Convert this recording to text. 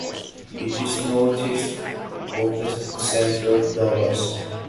It is northeast of the center of Dallas.